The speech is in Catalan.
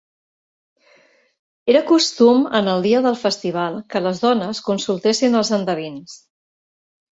Era costum en el dia del festival que les dones consultessin als endevins.